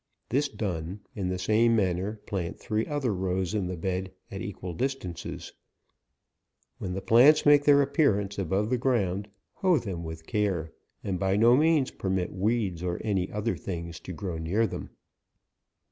This done, in the same manner plant three other rows in the bed, at equal distances. When the plants make their appearance above the ground, hoe them with care, and by no means permit weeds, or any other thing to grow near them.